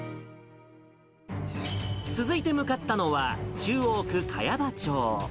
続いて向かったのは、中央区茅場町。